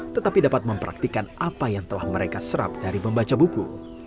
tetapi dapat mempraktikan apa yang telah mereka serap dari membaca buku